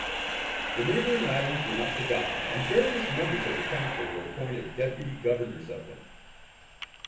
The neighbouring islands were not forgotten, and various members of the Council were appointed Deputy Governors of them.